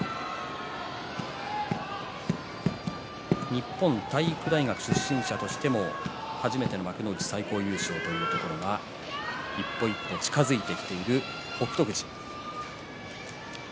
日本体育大学出身者としても初めての幕内最高優勝というのが一歩一歩近づいてきている北勝富士。